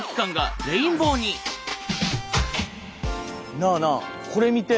なあなあこれ見て！